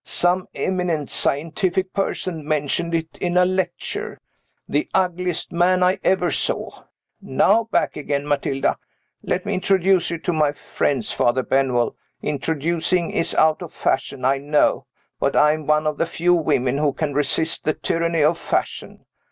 Some eminent scientific person mentioned it in a lecture. The ugliest man I ever saw. Now back again, Matilda. Let me introduce you to my friends, Father Benwell. Introducing is out of fashion, I know. But I am one of the few women who can resist the tyranny of fashion.